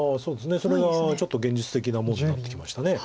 それがちょっと現実的なもんになってきました。